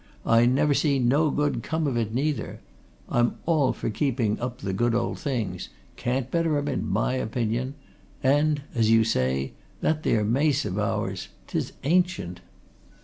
I never seen no good come of it, neither. I'm all for keeping up the good old things can't better 'em, in my opinion. And, as you say, that there mace of ours 'tis ancient!"